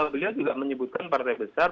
beliau juga menyebutkan partai besar